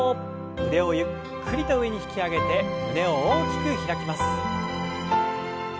腕をゆっくりと上に引き上げて胸を大きく開きます。